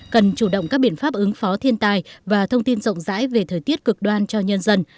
cần chủ động các biện pháp ứng phó thiên tài và thông tin rộng rãi về thời tiết cực đoan cho nhân dân